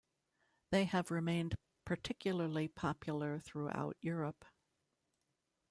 They have remained particularly popular throughout Europe.